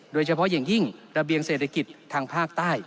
โดยเฉพาะอย่างยิ่งระเบียงเศรษฐกิจทางภาคใต้